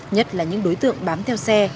nhất là những đối tượng bám theo xe